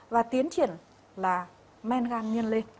và tiến triển là men gan nhân lên